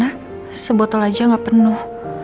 karena sebotol aja gak penuh